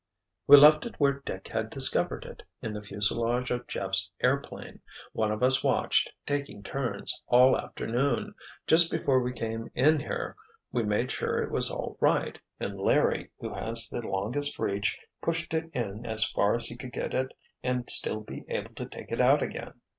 "We left it where Dick had discovered it—in the fuselage of Jeff's airplane. One of us watched, taking turns, all afternoon. Just before we came in here we made sure it was all right, and Larry, who has the longest reach, pushed it in as far as he could get it and still be able to take it out again."